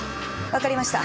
わかりました。